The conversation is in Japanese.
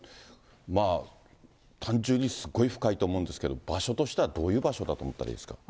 まあ、単純にすごい深いと思うんですけど、場所としてはどういう場所だと思ったらいいですか？